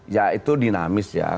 ya itu dinamis ya